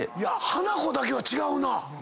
ハナコだけは違うな。